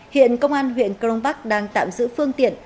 hiện công an huyện crong park đang tạm giữ phương tiện